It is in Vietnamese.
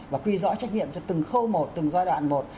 và quy rõ trách nhiệm cho từng khâu một từng giai đoạn một